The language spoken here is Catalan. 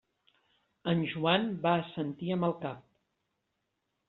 En Joan va assentir amb el cap.